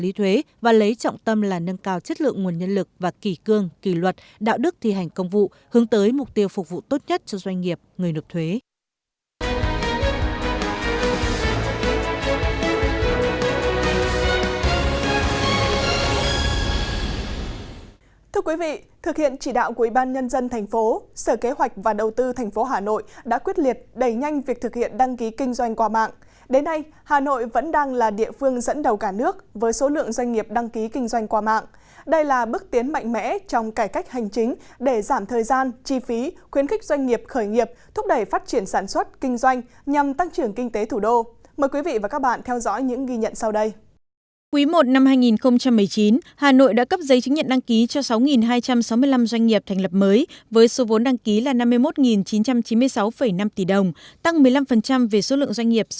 cục thuế thành phố sẽ tiếp tục triển khai quyết liệt các nhiệm vụ bảo đảm thu kịp thời các khoản thu và ngân sách nhà nước nâng cao hiệu lực hiệu quả công tác quản lý thuế và lấy trọng tâm là nâng cao chất lượng nguồn nhân lực và kỳ cương kỳ luật đạo đức thi hành công vụ hướng tới mục tiêu phục vụ tốt nhất cho doanh nghiệp người nộp thuế